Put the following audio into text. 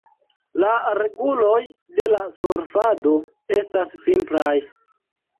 La reguloj de la surfado estas simplaj.